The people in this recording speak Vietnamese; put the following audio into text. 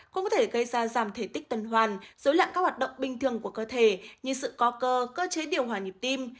không có thể gây ra giảm thể tích tần hoàn dối lạng các hoạt động bình thường của cơ thể như sự co cơ cơ chế điều hòa nhịp tim